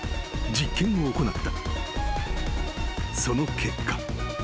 ［その結果］